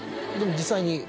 でも実際に。